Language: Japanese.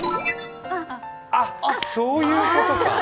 あっ、そういうことか！